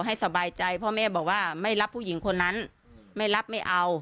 ให้สบายใจเพราะแม่บอกว่าไม่รับผู้หญิงคนนั้นไม่รับไม่เอา